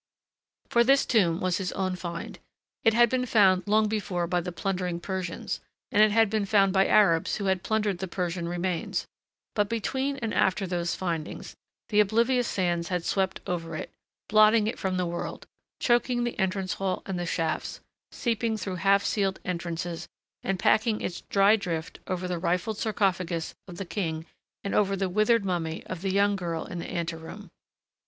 For this tomb was his own find. It had been found long before by the plundering Persians, and it had been found by Arabs who had plundered the Persian remains but between and after those findings the oblivious sands had swept over it, blotting it from the world, choking the entrance hall and the shafts, seeping through half sealed entrances and packing its dry drift over the rifled sarcophagus of the king and over the withered mummy of the young girl in the ante room.